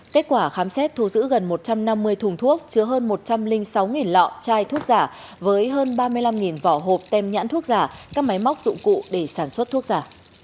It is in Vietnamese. kết quả khám xét thu giữ gần một trăm năm mươi thùng thuốc chứa hơn một trăm linh sáu lọ chai thuốc giả với hơn ba mươi năm vỏ hộp tem nhãn thuốc giả các máy móc dụng cụ để sản xuất thuốc giả